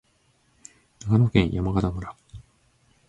長野県山形村